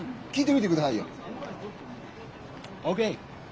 ＯＫ。